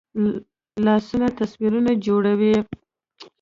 لاسونه تصویرونه جوړوي